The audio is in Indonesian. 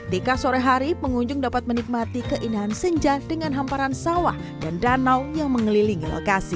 dika sore hari pengunjung dapat menikmati keindahan senja dengan hamparan sawah dan danau yang mengelilingi lokasi